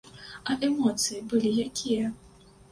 А эмоцыі былі якія?